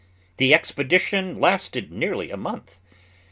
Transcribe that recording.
The expedition lasted nearly a month.